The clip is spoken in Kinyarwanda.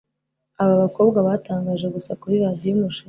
abAbakobwa Batangaje gusa kuri radio umushinga